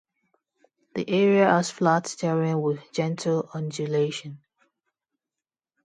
The area has flat terrain with gentle undulation.